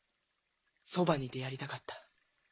そばにいてやりたかった。